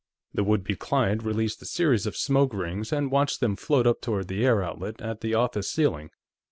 The would be client released a series of smoke rings and watched them float up toward the air outlet at the office ceiling.